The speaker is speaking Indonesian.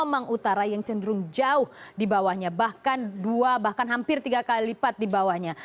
mang utara yang cenderung jauh di bawahnya bahkan dua bahkan hampir tiga kali lipat di bawahnya